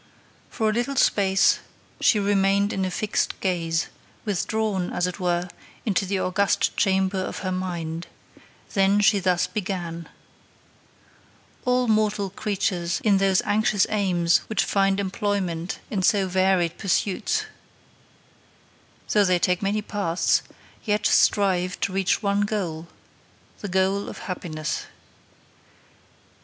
For a little space she remained in a fixed gaze, withdrawn, as it were, into the august chamber of her mind; then she thus began: 'All mortal creatures in those anxious aims which find employment in so many varied pursuits, though they take many paths, yet strive to reach one goal the goal of happiness.